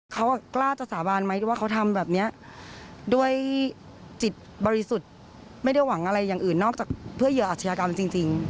เขากล้าจะสาบานไหมว่าเขาทำแบบนี้ด้วยจิตบริสุทธิ์ไม่ได้หวังอะไรอย่างอื่นนอกจากเพื่อเหยื่ออาชญากรรมจริง